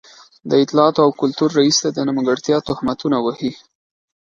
د اطلاعاتو او کلتور رئيس ته د نیمګړتيا تهمتونه وهي.